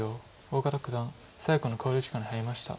小県九段最後の考慮時間に入りました。